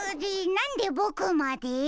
なんでボクまで？